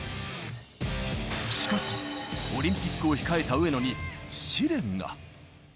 しかし、オリンピックを控えた上野に試練が。